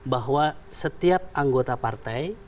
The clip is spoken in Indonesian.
bahwa setiap anggota partai